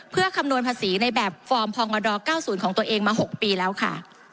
เพื่อคำนวณภาษีในแบบฟอร์มพงด๙๐ของตัวเองมา๖ปีแล้วค่ะ